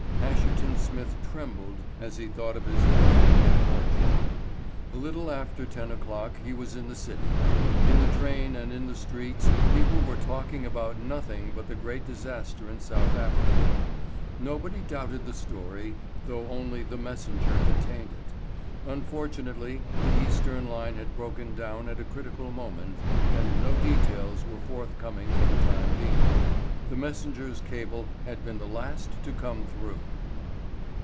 Asherton Smith trembled as he thought of his forthcoming fortune. A little after ten o'clock he was in the City. In the train and in the streets people were talking about nothing but the great disaster in South Africa. Nobody doubted the story, though only The Messenger contained it. Unfortunately the Eastern line had broken down at a critical moment, and no details were forthcoming for the time being. The Messenger's cable had been the last to come through.